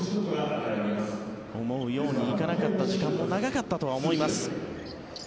思うようにいかなかった時間も長かったと思います。